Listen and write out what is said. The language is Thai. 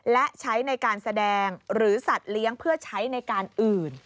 และใช้ในการแสดงหรือสัตว์เลี้ยงเพื่อใช้ในการอื่น